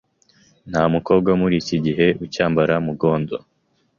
nta mukobwa wo muri iki gihe ucyambara mugondo’.